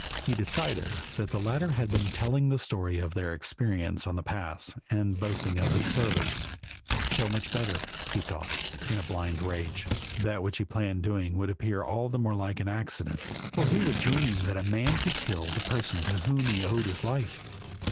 He decided that the latter had been telling the story of their experience on the pass and boasting of his service. So much the better, he thought, in a blind rage; that which he planned doing would appear all the more like an accident, for who would dream that a man could kill the person to whom he owed his life?